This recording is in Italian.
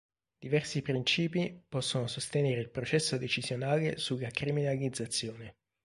Diversi principi possono sostenere il processo decisionale sulla criminalizzazione.